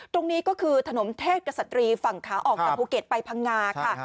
ตรงนี้ก็คือถนนเทพกษัตรีฝั่งขาออกจากภูเก็ตไปพังงาค่ะ